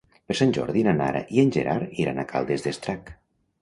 Per Sant Jordi na Nara i en Gerard iran a Caldes d'Estrac.